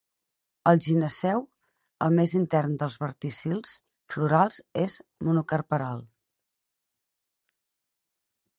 El gineceu, el més intern dels verticils florals, és monocarpel·lar.